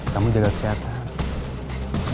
kamu jaga kesehatan